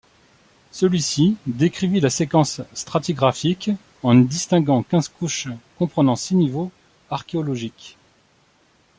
Celui-ci décrivit la séquence stratigraphique en y distinguant quinze couches comprenant six niveaux archéologiques.